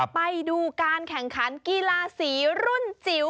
ไปดูการแข่งขันกีฬาสีรุ่นจิ๋ว